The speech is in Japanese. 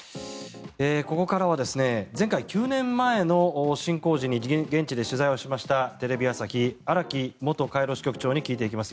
ここからは前回９年前の侵攻時に現地で取材をしましたテレビ朝日荒木元カイロ支局長に聞いていきます。